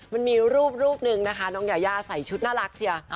มันมีรูปหนึ่งนะคะน้องยายาใส่ชุดน่ารักเชียว